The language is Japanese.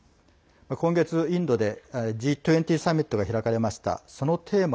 今月インドでＧ２０サミットが開かれました。